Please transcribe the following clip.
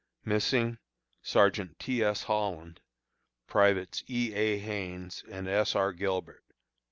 Missing: Sergeant T. S. Holland; Privates E. A. Haines and S. R. Gilbert.